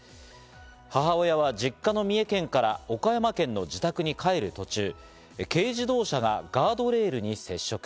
母親は実家の三重県から岡山県の自宅に帰る途中、軽自動車がガードレールに接触。